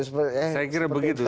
saya kira begitu